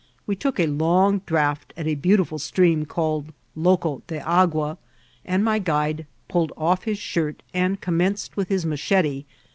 We took a long draught at a beautiful stream called Loco de Ague, and my guide pulled off his shirt and commenced with his machete.